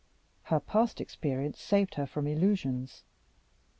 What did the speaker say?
Her past experience saved her from illusions.